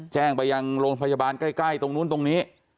แจ้งไปยังโรงพยาบาลใกล้ตรงนู้นตรงนี้